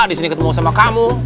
disini ketemu sama kamu